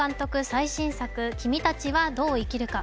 最新作「君たちはどう生きるか」。